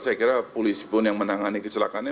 saya kira polisi pun yang menangani kecelakaannya